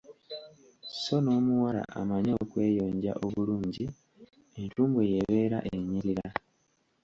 Sso n’omuwala amanyi okweyonja obulungi, entumbwe ye ebeera enyirira.